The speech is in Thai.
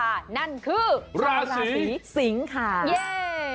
โอเคโอเคโอเคโอเคโอเค